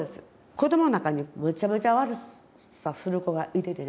子どもの中にめちゃめちゃ悪さする子がいててね。